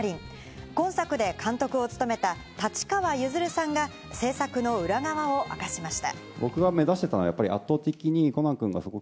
今作で監督を務めた立川譲さんが制作の裏側を明かしました。